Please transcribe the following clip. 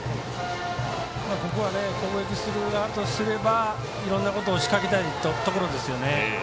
ここは攻撃する側とすればいろんなことを仕掛けたいところです。